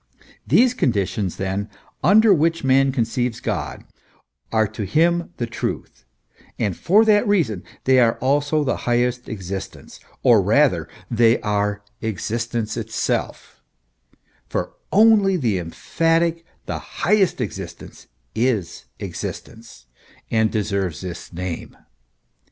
These conditions, then, under which man conceives God, are to him the truth, and for that reason they are also the highest existence, or rather they are existence itself; for only the emphatic, the highest existence, is existence, and deserves this name.